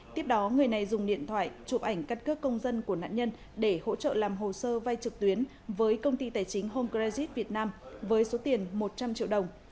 tiếp đó người này dùng điện thoại chụp ảnh cắt cước công dân của nạn nhân để hỗ trợ làm hồ sơ vay trực tuyến với công ty tài chính home credit việt nam với số tiền một trăm linh triệu đồng